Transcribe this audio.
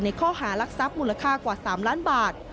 ข้อหารักทรัพย์มูลค่ากว่า๓ล้านบาท